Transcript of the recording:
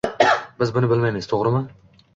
Biz buni bilmaymiz, to‘g‘rimi?